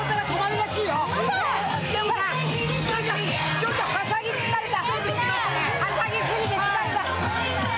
ちょっとはしゃぎ疲れた。